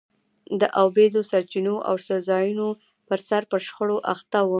د اوبیزو سرچینو او څړځایونو پرسر پر شخړو اخته وو.